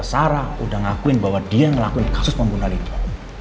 sarah udah ngakuin bahwa dia ngelakuin kasus pembunuhan itu